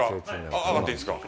上がっていいんですか。